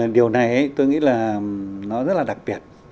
điều này tôi nghĩ là nó rất là đặc biệt